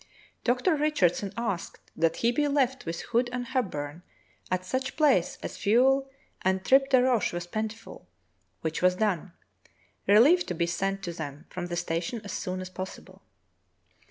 Dr. Richardson asked that he be left with Hood and Hepburn at such place as fuel and tripe de roche were plentiful, which was done, relief to be sent to them from the station as soon as possible.